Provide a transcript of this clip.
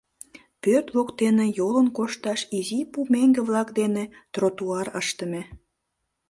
Пӧрт воктене йолын кошташ изи пу меҥге-влак дене тротуар ыштыме.